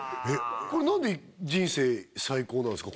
これ何で人生最高なんですか？